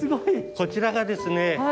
こちらがですね